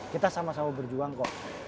kita sama sama berjuang kok